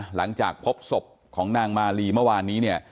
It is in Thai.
หลังจากพบศพของนางมาลีเมื่อวานนี้เนี่ย